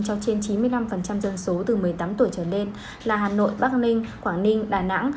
cho trên chín mươi năm dân số từ một mươi tám tuổi trở lên là hà nội bắc ninh quảng ninh đà nẵng